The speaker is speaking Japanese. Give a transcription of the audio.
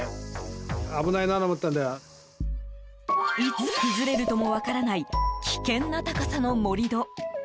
いつ崩れるとも分からない危険な高さの盛り土。